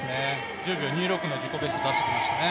１０秒２６の自己ベスト出してきましたね。